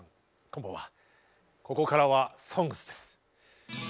こんばんはここからは「ＳＯＮＧＳ」です。